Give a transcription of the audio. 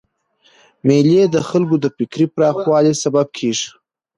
مېلې د خلکو د فکري پراخوالي سبب کېږي.